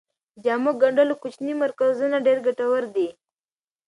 د جامو ګنډلو کوچني مرکزونه ډیر ګټور دي.